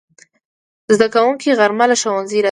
زدهکوونکي غرمه له ښوونځي راځي